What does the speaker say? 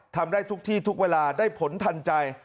ทำได้ทุกที่ทุกเวลาได้ผลทันใจ